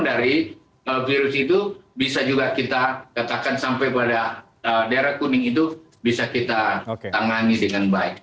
dari virus itu bisa juga kita katakan sampai pada daerah kuning itu bisa kita tangani dengan baik